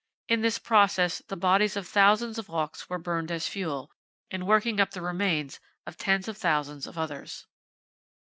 In this process, the bodies of thousands of auks were burned as fuel, in working up the remains of tens of thousands of others.